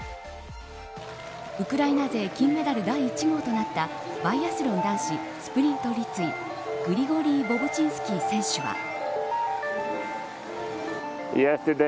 ウクライナ勢金メダル第１号となったバイアスロン男子スプリント立位グリゴリー・ボブチンスキー選手は。